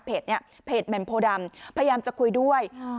เพจเนี่ยเพจแมมโพดัมพยายามจะคุยด้วย